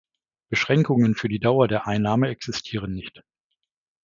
Beschränkungen für die Dauer der Einnahme existieren nicht.